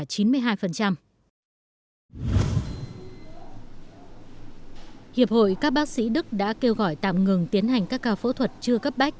hiệp hội các bác sĩ đức đã kêu gọi tạm ngừng tiến hành các ca phẫu thuật chưa cấp bách